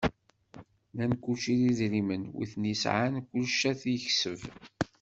Nnan kulci d idrimen, wi ten-yesεan kullec ad t-yekseb.